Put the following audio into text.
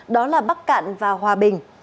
đó là bắc cạn và hòa bình